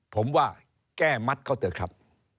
ผมว่าแก้มัดเขาเถอะครับ